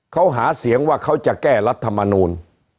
เขาหาเสียงว่าเขาจะแก้รัฐมนูล